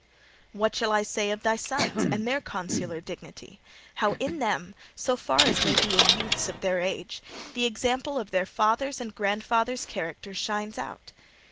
What shall I say of thy sons and their consular dignity how in them, so far as may be in youths of their age, the example of their father's and grandfather's character shines out?